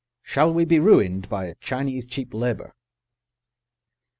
SHALL WE BE RUINED BY CHINESE CHEAP LABOUR?